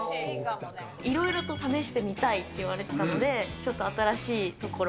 いろいろと試してみたいと言われてたので、ちょっと新しいところ。